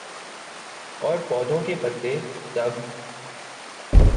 اور پودوں کے پتے سبز